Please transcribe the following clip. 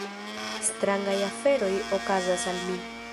Strangaj aferoj okazas al mi.